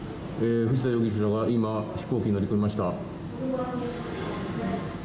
藤田容疑者は今飛行機に乗り込みました。